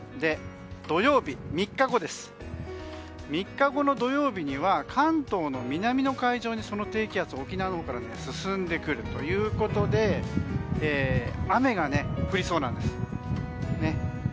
土曜日、３日後には関東の南の海上にその低気圧沖縄のほうから進んでくるということで雨が降りそうなんです。